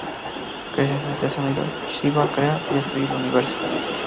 Gracias a este sonido, Shivá crea y destruye el universo.